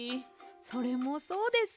それもそうですね。